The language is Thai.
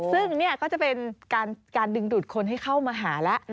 ซึ่งนี่ก็จะเป็นการดึงดูดคนให้เข้ามาหาแล้ว